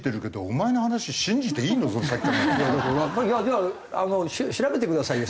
じゃあ調べてくださいよ専門家。